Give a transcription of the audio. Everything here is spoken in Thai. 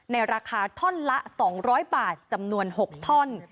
ในราคาท่อนละสองร้อยบาทจำนวนหกท่อน